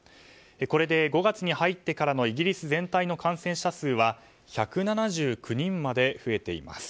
これで５月に入ってからのイギリス全体の感染者数は１７９人まで増えています。